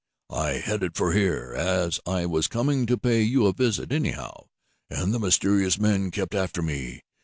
I headed for here, as I was coming to pay you a visit, anyhow, and the mysterious men kept after me.